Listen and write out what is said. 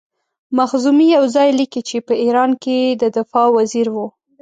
مخزومي یو ځای لیکي چې په ایران کې د دفاع وزیر وو.